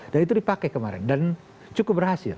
dan itu dipakai kemarin dan cukup berhasil